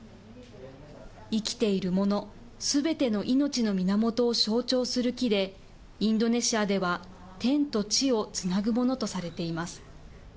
生きているもの、すべての命の源を象徴する木で、インドネシアでは天と地をつなぐものとされています。